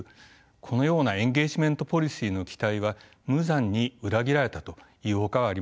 このようなエンゲージメント・ポリシーの期待は無残に裏切られたというほかはありません。